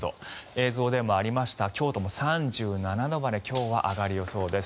映像でもありました京都も３７度まで今日は上がる予想です。